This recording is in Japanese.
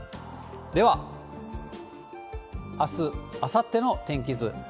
では、あす、あさっての天気図。